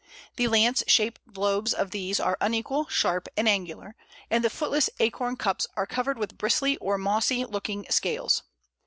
The lance shaped lobes of these are unequal, sharp, and angular; and the footless acorn cups are covered with bristly or mossy looking scales.